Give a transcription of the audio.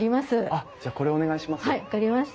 あっじゃこれお願いします。